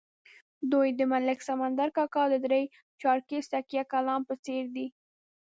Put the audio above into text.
دوی د ملک سمندر کاکا د درې چارکیز تکیه کلام په څېر دي.